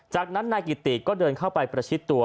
จากนั้นนายกิติก็เดินเข้าไปประชิดตัว